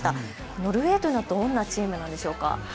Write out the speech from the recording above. ノルウェー、どんなチームなんでしょうか。